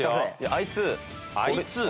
あいつ？